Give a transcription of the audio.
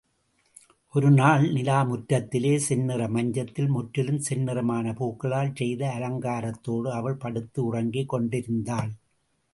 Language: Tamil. ஒருநாள் நிலா முற்றத்திலே செந்நிற மஞ்சத்தில் முற்றிலும் செந்நிறமான பூக்களால் செய்த அலங்காரத்தோடு அவள் படுத்து உறங்கிக் கொண்டிருந்தாள்.